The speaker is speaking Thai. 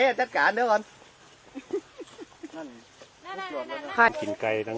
มาตั้งแล้วไว้ละ